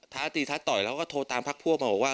ท้าตีท้าต่อยแล้วก็โทรตามพักพวกมาบอกว่า